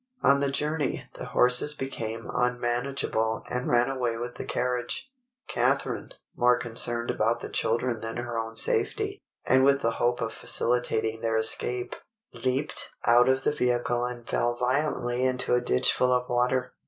On the journey the horses became unmanageable and ran away with the carriage. Catharine, more concerned about the children than her own safety, and with the hope of facilitating their escape, leaped out of the vehicle and fell violently into a ditch full of water.